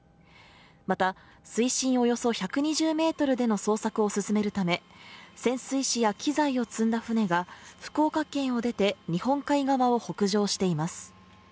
また水深およそ１２０メートルでの捜索を進めるため潜水士や機材を積んだ船が福岡県を出て日本海側を北上しています